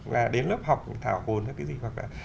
là đến lớp học thảo hồn cái gì hoặc là